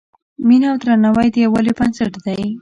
مینه او درناوی د یووالي بنسټ دی.